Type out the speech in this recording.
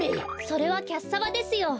それはキャッサバですよ。